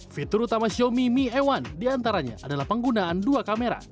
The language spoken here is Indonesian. fitur utama xiaomi mie satu diantaranya adalah penggunaan dua kamera